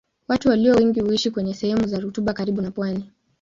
Watu walio wengi huishi kwenye sehemu za rutuba karibu na pwani.